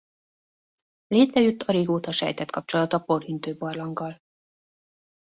Létrejött a régóta sejtett kapcsolat a Porhintő-barlanggal.